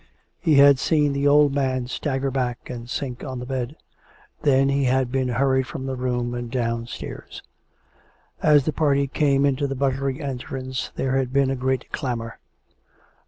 He had seen the old man stagger back and sink on the bed. Then he had been hurried from the room and downstairs. As the party came into the buttery entrance, there had been a great clamour; the 429 430 COME RACK! COME ROPE!